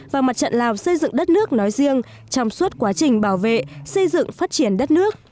và mặt trận lào xây dựng đất nước nói riêng trong suốt quá trình bảo vệ xây dựng phát triển đất nước